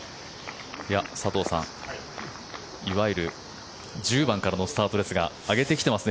佐藤さん、いわゆる１０番からのスタートですが上げてきてますね。